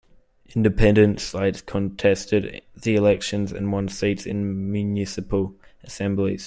Independent slates contested the elections and won seats in municipal assemblies.